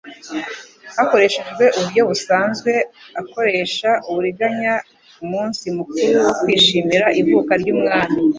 hakoresheje uburyo busanzwe, akoresha uburiganya ku munsi mukuru wo kwishimira ivuka ry'umwami,